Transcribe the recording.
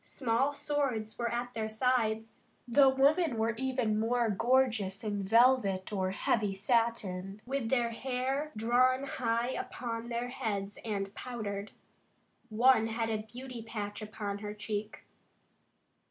Small swords were at their sides. The women were even more gorgeous in velvet or heavy satin, with their hair drawn high upon their heads and powdered. One had a beauty patch upon her cheek.